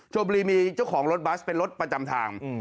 บุรีมีเจ้าของรถบัสเป็นรถประจำทาง